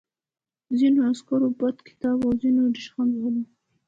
ځینو عسکرو بد کتل او ځینو ریشخند وهلو